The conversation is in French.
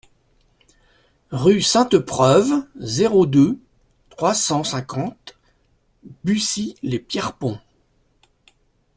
Rue Sainte-Preuve, zéro deux, trois cent cinquante Bucy-lès-Pierrepont